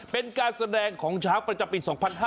เป็นการแสดงของช้างประจำปี๒๕๕๙